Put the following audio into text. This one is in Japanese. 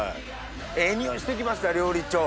ええ匂いしてきました料理長。